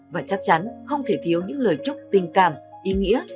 và chắc chắn không thể thiếu những lời chúc tình cảm ý nghĩa